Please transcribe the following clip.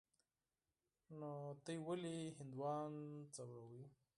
نو تاسې ولي هندوان ځوروئ.